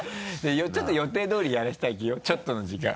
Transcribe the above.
ちょっと予定通りやらせてあげようちょっとの時間。